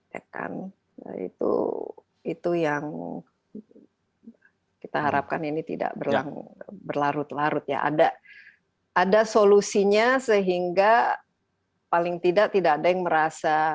ya kan itu yang kita harapkan ini tidak berlarut larut ya ada solusinya sehingga paling tidak tidak ada yang merasa betul betul ya